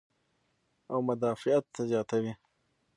او مدافعت زياتوي -